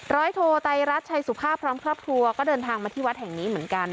โทไตรรัฐชัยสุภาพพร้อมครอบครัวก็เดินทางมาที่วัดแห่งนี้เหมือนกัน